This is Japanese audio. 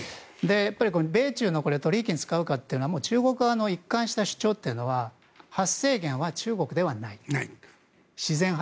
米中の取引に使うかというのは中国側の一貫した主張というのは発生源は中国ではない。